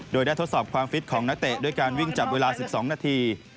โดยได้ทดสอบความฟิตของนักเตะด้วยการวิ่งจับเวลา๑๒นาที